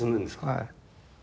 はい。